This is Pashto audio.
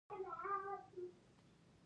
لمسی له نیکه سره مکتب ته ځي.